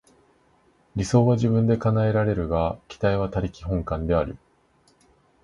理想は自分で叶えられるが、期待は他力本願である。